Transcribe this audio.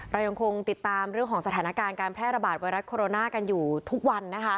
เรายังคงติดตามเรื่องของสถานการณ์การแพร่ระบาดไวรัสโคโรนากันอยู่ทุกวันนะคะ